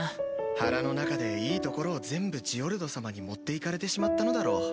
腹の中でいいところを全部ジオルド様に持っていかれてしまったのだろう。